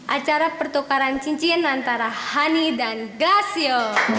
acara pertukaran cincin antara honey dan gasio